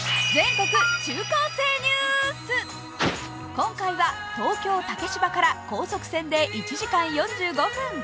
今回は東京・竹芝から高速船で１時間４５分。